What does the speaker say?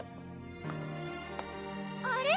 あれ？